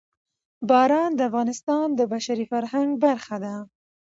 باران د افغانستان د بشري فرهنګ برخه ده.